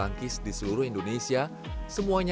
jadi kita bisa mengambil kemampuan untuk membuat kemampuan kita